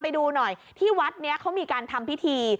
ไปดูหน่อยที่วัดนี้เขามีการทำพิธี